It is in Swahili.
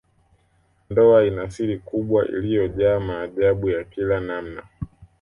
Ndoa ina siri kubwa iliyojaa maajabu ya kila namna